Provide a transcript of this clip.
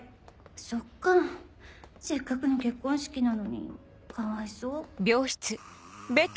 そっかせっかくの結婚式なのにかわいそう。